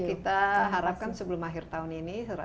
kita harapkan sebelum akhir tahun ini